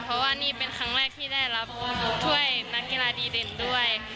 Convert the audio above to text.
เพราะว่านี่เป็นครั้งแรกที่ได้รับถ้วยนักกีฬาดีเด่นด้วย